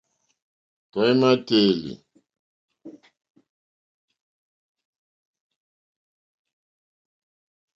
Tɔ̀ímá téèlì.